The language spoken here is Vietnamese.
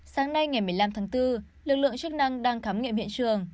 sáng nay ngày một mươi năm tháng bốn lực lượng chức năng đang khám nghiệm hiện trường